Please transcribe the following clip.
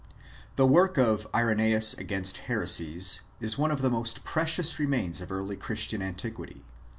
HE work of Irenseus Against Heresies is one of the most precious remains of early Christian anti quity.